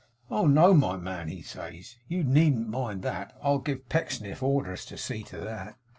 "Oh no, my man," he says; "you needn't mind that. I'll give Pecksniff orders to see to that."